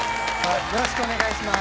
よろしくお願いします。